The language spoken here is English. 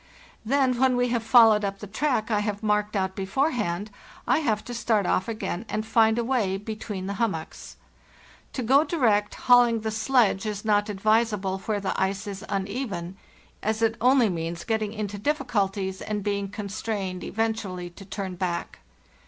Then when we have followed up the track I have marked out beforehand I have to start off again and find a way between the hummocks. To go direct, hauling the sledge, is not KAIFAS BY SLEDGE AND KAVAK 279 advisable where the ice is uneven, as it only means get ting into difficulties and being constrained eventually to turn back.